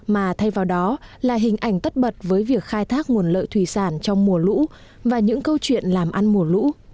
mà thay vào đó là hình ảnh tất bật với việc khai thác nguồn lợi thủy sản trong mùa lũ và những câu chuyện làm ăn mùa lũ